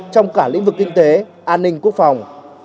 trong cả lĩnh vực kinh tế an ninh quốc phòng